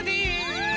うん！